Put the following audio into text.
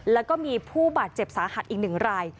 แล้วก็มีผู้บาดเจ็บสาหัสอีก๑ราย